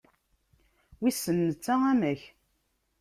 Wissen netta amek.